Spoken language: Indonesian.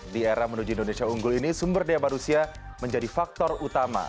di era menuju indonesia unggul ini sumber daya manusia menjadi faktor utama